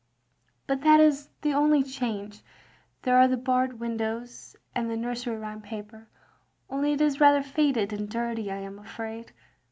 " But that is the only change. There are the barred windows, and the nursery rhyme paper — only it is rather faded and dirty I am afraid."